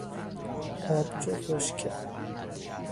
آبجو بشکه